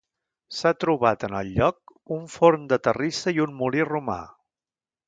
S'ha trobat en el lloc, un forn de terrissa i un molí romà.